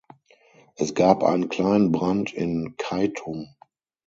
Es gab einen kleinen Brand in Keitum.